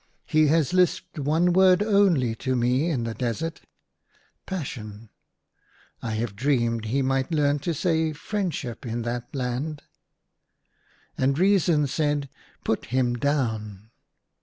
He has lisped one word only to me in the desert —' Passion !' I have dreamed he might learn to say * Friendship ' in that land." And Reason said, " Put him down